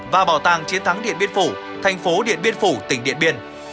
và bảo tàng chiến thắng điện biên phủ thành phố điện biên phủ tỉnh điện biên